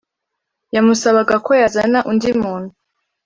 yamusabaga ko yazana undi muntu